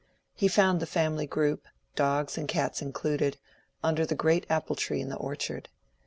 He found the family group, dogs and cats included, under the great apple tree in the orchard.